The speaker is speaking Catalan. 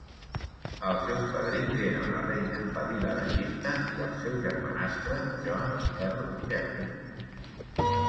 Els seus padrins eren la reina Fadila d'Egipte i el seu germanastre John, Earl Jermyn.